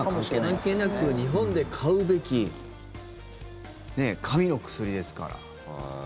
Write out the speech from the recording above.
コロナ関係なく日本で買うべき神の薬ですから。